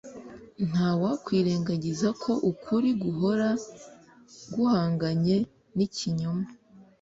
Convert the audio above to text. nta wakwirengagiza ko ukuri guhora guhanganye n’ ikinyoma